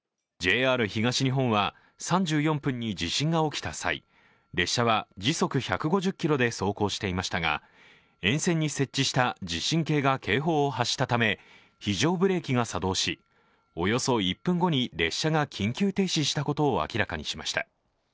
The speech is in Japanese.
ＪＲ東日本は３４分に地震が起きた際、列車は時速１５０キロで走行していましたが、沿線に設置した地震計が警報を発したため、非常ブレーキが作動し、およそ１分後に列車が緊急停止したことを明らかにしました。